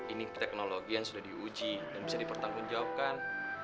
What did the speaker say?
ini teknologi yang sudah diuji dan bisa dipertanggungjawabkan